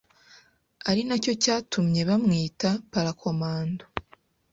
ari nacyo cyatumye bamwita ‘Parakomando.